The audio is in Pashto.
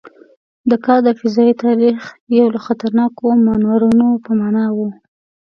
دا کار د فضايي تاریخ یو له خطرناکو مانورونو په معنا و.